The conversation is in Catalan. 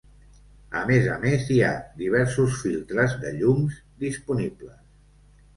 A més a més hi ha diversos filtres de llums disponibles.